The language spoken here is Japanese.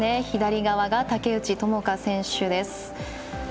左側が竹内智香選手です。